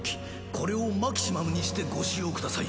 これをマキシマムにしてご使用ください。